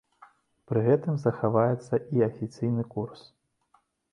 Пры гэтым захаваецца і афіцыйны курс.